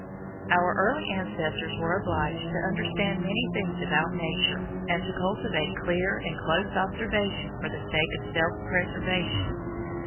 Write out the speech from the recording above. Our early ancestors were obliged to understand many things about Nature and to cultivate clear and close observation for the sake of self preservation.